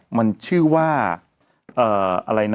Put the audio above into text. มีสารตั้งต้นเนี่ยคือยาเคเนี่ยใช่ไหมคะ